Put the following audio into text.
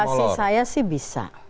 kalau kalkulasi saya sih bisa